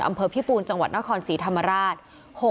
อำเภอพิปูนจังหวัดนครศรีธรรมราช